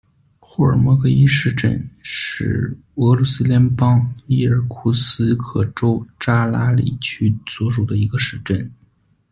霍尔莫戈伊市镇是俄罗斯联邦伊尔库茨克州扎拉里区所属的一个市镇。